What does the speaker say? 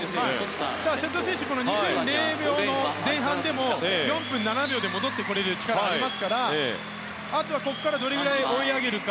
瀬戸選手、２分０秒の前半でも４分７秒で戻ってこれる力がありますからあとは、ここからどれだけ追い上げるか。